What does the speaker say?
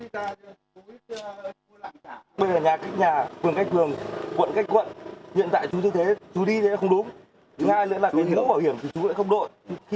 chú đi thì không đúng chú đi thì không bảo hiểm thì chú lại không đội